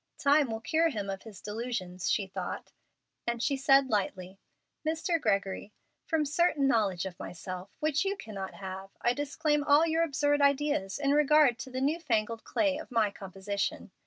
"Time will cure him of his delusions," she thought, and she said, lightly, "Mr. Gregory, from certain knowledge of myself which you cannot have I disclaim all your absurd ideas in regard to the new fangled clay of my composition.